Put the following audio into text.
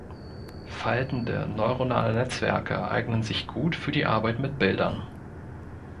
Faltende neuronale Netzwerke eignen sich gut für die Arbeit mit Bildern.